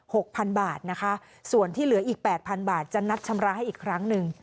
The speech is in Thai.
หกพันบาทนะคะส่วนที่เหลืออีกแปดพันบาทจะนัดชำระให้อีกครั้งหนึ่ง